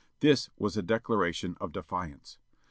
This was a declaration of defiance.